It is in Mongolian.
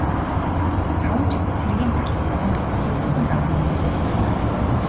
Таван жил цэргийн талх хорооно гэдэг хэцүүхэн давааны нэг гэж санаарай.